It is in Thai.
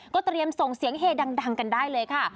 เตรียมส่งเสียงเฮดังกันได้เลยค่ะ